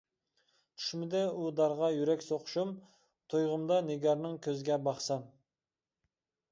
چۈشمىدى ئۇدارغا يۈرەك سوقۇشۇم، تۇيغۇمدا نىگارنىڭ كۆزىگە باقسام.